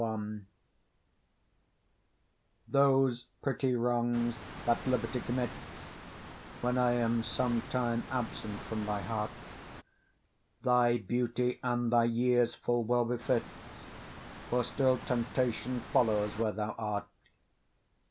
XLI Those pretty wrongs that liberty commits, When I am sometime absent from thy heart, Thy beauty, and thy years full well befits, For still temptation follows where thou art.